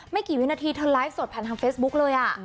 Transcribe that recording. ไม่กี่วินาทีเธอไลฟ์สดผ่านทางเฟซบุ๊กเลย